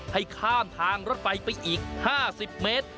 ให้ข้ามทางรถไฟไปอีก๕๐เมตร